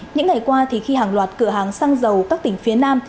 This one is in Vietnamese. những ngày qua thì khi hàng loạt cửa hàng xăng dầu các tỉnh phía nam